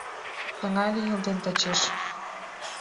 Шыҥа лийылден тачеш».